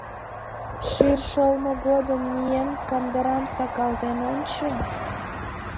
Шӱр шолмо годым миен кандырам сакалтен ончо.